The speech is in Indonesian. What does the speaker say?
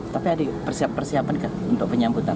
tapi ada persiapan persiapan untuk penyambutan